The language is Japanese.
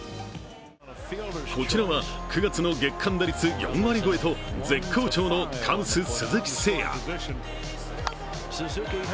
こちらは９月の月間打率４割越えと絶好調のカブス・鈴木誠也。